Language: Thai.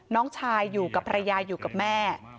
น้องชายอยู่กับภรรยาอยู่กับแม่